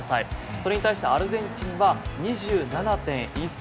それに対してアルゼンチンは２７．１歳。